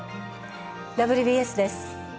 「ＷＢＳ」です。